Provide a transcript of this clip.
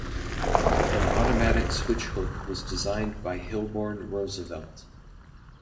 An automatic switch-hook was designed by Hilborne Roosevelt.